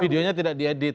videonya tidak diedit